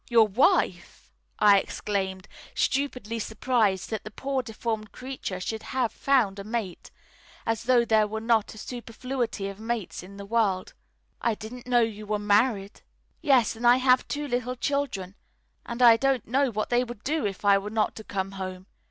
"Your wife!" I exclaimed, stupidly surprised that the poor deformed creature should have found a mate as though there were not a superfluity of mates in the world "I didn't know you were married?" "Yes, and I have two little children, and I don't know what they would do if I were not to come home.